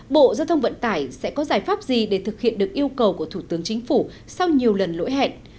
bộ giao thông vận tải sẽ có giải pháp gì để thực hiện được yêu cầu của thủ tướng chính phủ sau nhiều lần lỗi hẹn